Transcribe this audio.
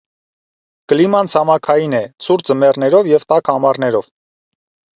Կլիման ցամաքային է, ցուրտ ձմեռներով և տաք ամառներով։